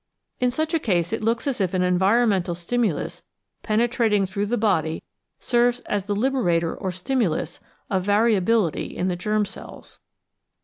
In such a case it looks as if an environ mental stimulus penetrating through the body serves as the lib erator or stimulus of variability in the germ cells.